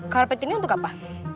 karpet ini untuk apa